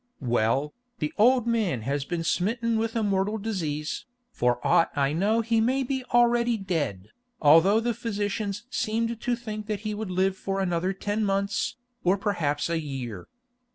"Well, the old man has been smitten with a mortal disease. For aught I know he may be already dead, although the physicians seemed to think he would live for another ten months, or perhaps a year.